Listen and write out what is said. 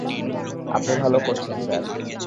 আপনি ভালো করছেন, স্যার?